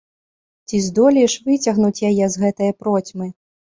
Ці здолееш выцягнуць яе з гэтае процьмы?